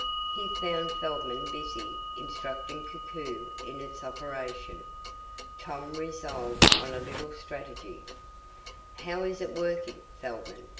He found Feldman busy instructing Koku in its operation. Tom resolved on a little strategy. "How is it working, Feldman?"